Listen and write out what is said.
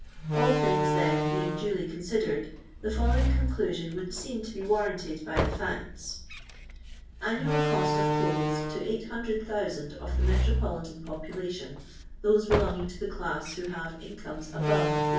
All things, then, being duly considered, the fol lowing conclusion would seem to be warranted by the &cts :— Annual cost of clothes to 800,000 of the metropolitan ' popubtion (those belonging to the dais who have in comes eiove 1502.